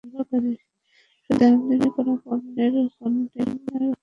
শুধু আমদানি করা পণ্যের কনটেইনার খালাস করার সময় সমপরিমাণ ঘুষ লেনদেন হয়।